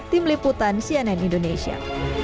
tim liputan cnn indonesia